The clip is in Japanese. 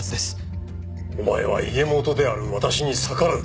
お前は家元である私に逆らう気か？